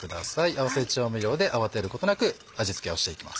合わせ調味料で慌てることなく味付けをしていきます。